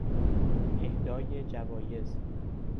اهدای جوایز